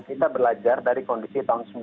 kita belajar dari kondisi tahun sembilan puluh delapan